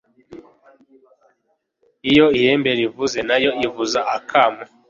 iyo ihembe rivuze, na yo ivuza akamo